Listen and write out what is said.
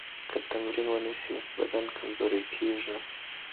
که تمرین ونه شي، بدن کمزوری کېږي.